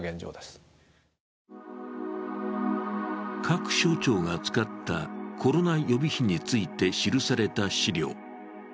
各省庁が使ったコロナ予備費について記された資料。